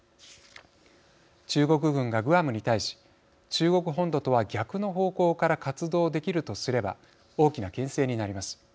中国軍が、グアムに対し中国本土とは逆の方向から活動できるとすれば大きなけん制になります。